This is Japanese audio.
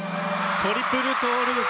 トリプルトーループ。